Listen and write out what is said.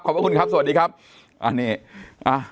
ขอบคุณครับสวัสดีครับอ่านี่อ่ะ